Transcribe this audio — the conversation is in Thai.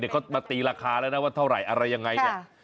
เขามาตีราคาแล้วนะว่าเท่าไหร่อะไรยังไงเนี่ย